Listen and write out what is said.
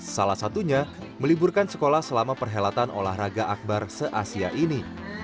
salah satunya meliburkan sekolah selama perhelatan olahraga akbar se asia ini